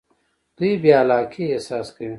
دوی بې علاقه احساس کوي.